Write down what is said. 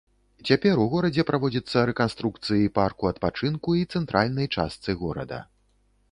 Цяпер у горадзе праводзіцца рэканструкцыі парку адпачынку і цэнтральнай частцы горада.